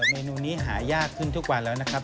เมนูนี้หายากขึ้นทุกวันแล้วนะครับ